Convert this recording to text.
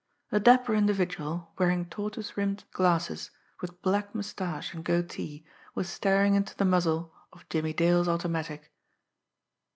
A dapper individual, wearing tortoise rimmed glasses, with black moustache and goatee, was staring into the muzzle of Jimmie Dale's automatic.